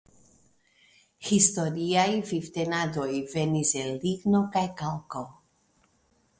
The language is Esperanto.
Historiaj vivtenadoj venis el ligno kaj kalko.